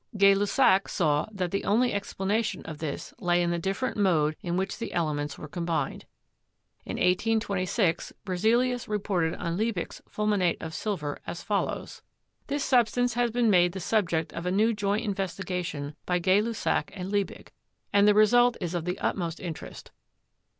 Gay Lussac saw that the only explanation of this lay in the different mode in which the elements were combined. In 1826, Berzelius reported on Liebig's ful minate of silver as follows : "This substance has been made the subject of a new joint investigation by Gay Lussac and Liebig, and the ORGANIC CHEMISTRY 223 result is of the utmost interest.